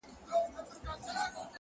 سپین مخ راته ګوري خو تنویر خبري نه کوي,